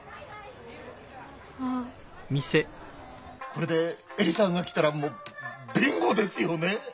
これで恵里さんが来たらもうビンゴですよねえ。